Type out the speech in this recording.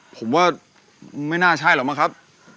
ผมว่าไม่น่าใช่หรอกมั้งครับ